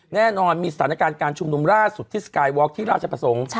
แน่นอนมีสถานการณ์การชุมนุมล่าสุดที่สกายวอล์ที่ราชประสงค์